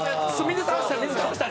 水倒したり。